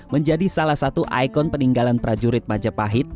menjadi salah satu ikon peninggalan prajurit majapahit